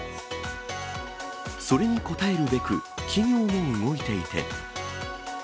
それに応えるべく、企業も動いていて。